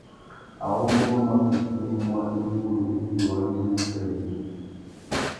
Awômô wa mà kutu muá ingurú indi wa ndú wu féréména.